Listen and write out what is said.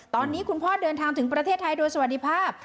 ตอนนี้คุณพ่อเดินทางถึงประเทศไทยโดยสวัสดีภาพ